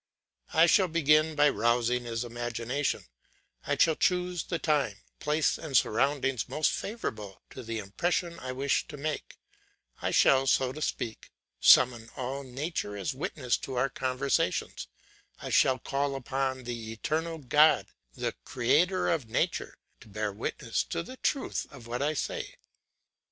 I shall begin by rousing his imagination; I shall choose the time, place, and surroundings most favourable to the impression I wish to make; I shall, so to speak, summon all nature as witness to our conversations; I shall call upon the eternal God, the Creator of nature, to bear witness to the truth of what I say.